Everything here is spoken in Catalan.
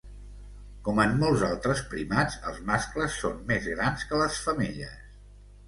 Com en molts altres primats, els mascles són més grans que les femelles.